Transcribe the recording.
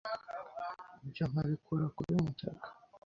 Ibyo nkabikura kuri Mutaga